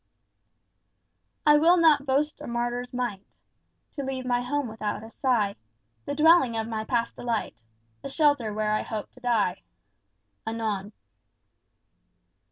"I will not boast a martyr's might To leave my home without a sigh The dwelling of my past delight, The shelter where I hoped to die." Anon.